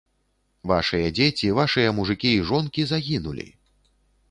Вашыя дзеці, вашыя мужыкі і жонкі загінулі.